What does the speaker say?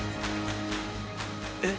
えっ？